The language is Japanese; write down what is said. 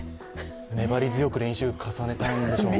粘り強く練習を重ねたんでしょうね。